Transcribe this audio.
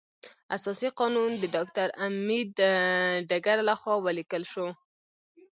اساسي قانون د ډاکټر امبیډکر لخوا ولیکل شو.